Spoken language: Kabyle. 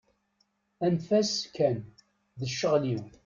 Anef-as kan, d ccɣel-iw.